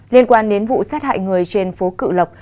liên quan đến vụ sát hại người trên phố cựu lộc